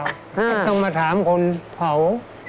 มันมาถามคนเผา